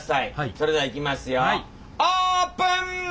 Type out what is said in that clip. それではいきますよオープン！